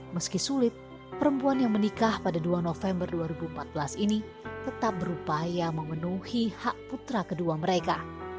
meski sulit perempuan yang menikah pada dua november dua ribu empat belas ini tetap berupaya memenuhi hak putra kedua mereka